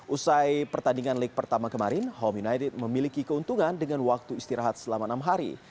usai pertandingan leg pertama kemarin home united memiliki keuntungan dengan waktu istirahat selama enam hari